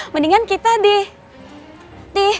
mendingan kita di